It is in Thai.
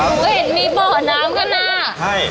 เพื่อเห็นมีผอน้ำก็น่าใช่